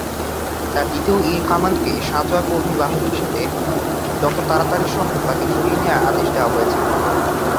তাঁর দ্বিতীয়-ইন-কমান্ডকে সাঁজোয়া কর্মী বাহক হিসাবে যত তাড়াতাড়ি সম্ভব তাকে সরিয়ে নেওয়ার আদেশ দেওয়া হয়েছিল।